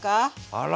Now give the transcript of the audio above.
あら！